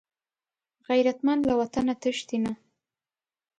غیرتمند له وطنه تښتي نه